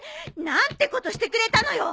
何てことしてくれたのよ！